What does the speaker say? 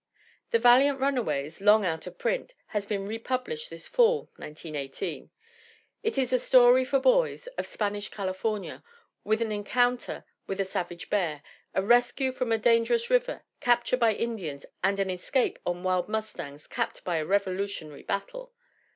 The Valiant Runaways, long out of print, has been republished this fall (1918). It is a story for boys, of Spanish California, with an encounter with a savage bear, a rescue from a danger ous river, capture by Indians and an escape on wild mustangs capped by a revolutionary battle